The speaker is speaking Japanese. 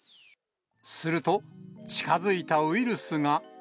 すると、近づいたウイルスが。